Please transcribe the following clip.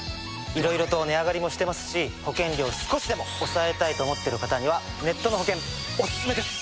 いろいろと値上がりもしてますし保険料を少しでも抑えたいと思っている方にはネットの保険オススメです！